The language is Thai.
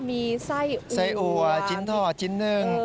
มีไส้อัวชิ้นทอดชิ้นหนึ่ง